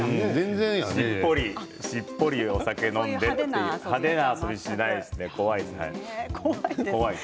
しっぽりお酒を飲んでという派手な遊びはしないですね。